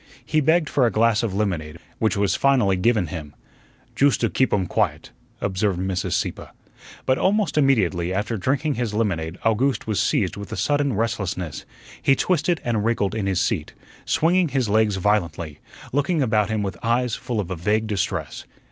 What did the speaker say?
He begged for a glass of lemonade, which was finally given him. "Joost to geep um quiet," observed Mrs. Sieppe. But almost immediately after drinking his lemonade Owgooste was seized with a sudden restlessness. He twisted and wriggled in his seat, swinging his legs violently, looking about him with eyes full of a vague distress.